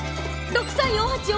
６３４８４。